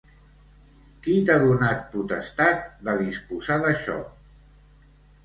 Qui t'ha donat potestat de disposar d'això?